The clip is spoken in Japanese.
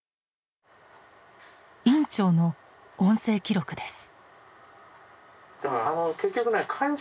院長の音声記録です。